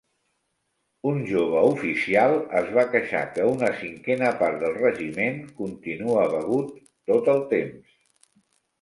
Un jove oficial es va queixar que una cinquena part del regiment continua begut tot el temps.